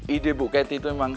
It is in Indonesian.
ide bu kety itu memang